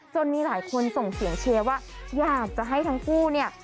แล้วอันนี้หลายคนส่งเสียงเชียวว่าอยากจะให้ทั้งคู่เนี่ย